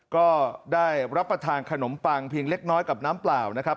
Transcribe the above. ก็ได้รับประทานขนมปังเพียงเล็กน้อยกับน้ำเปล่านะครับ